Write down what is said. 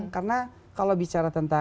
karena kalau bicara tentang